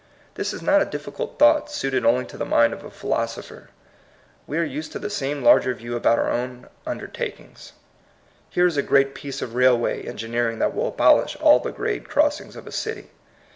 This is not a difficult thought, suited only to the mind of a philosopher. We are used to the same larger view about our own undertakings. Here is a gpreat piece of 'railway engineering that will abolish all the grade crossings of a city.